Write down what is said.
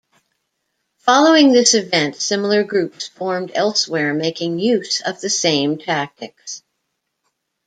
Following this event, similar groups formed elsewhere making use of the same tactics.